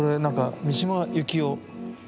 三島由紀夫。